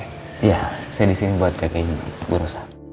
iya saya disini buat kakek guru